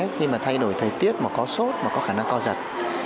khi mà thay đổi thời tiết mà có sốt mà có khả năng co giật